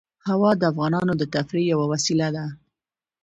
هوا د افغانانو د تفریح یوه وسیله ده.